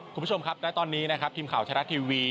คุณผู้ชมครับตอนนี้ทีมข่าวชะละทีวี